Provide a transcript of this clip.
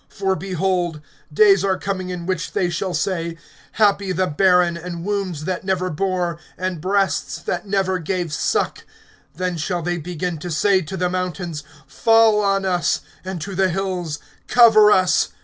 (29)For, behold, days are coming in which they shall say: Happy the barren, and wombs that never bore, and breasts that never gave suck. (30)Then shall they begin to say to the mountains: Fall on us; and to the hills: Cover us.